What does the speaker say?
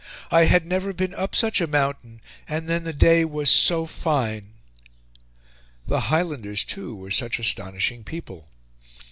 I had never been up such a mountain, and then the day was so fine." The Highlanders, too, were such astonishing people.